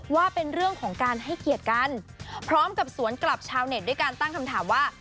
ว่าเป็นเรื่องของการให้เกียรติกันพร้อมกับสวนกลับชาวเน็ตด้วยการตั้งคำถามว่า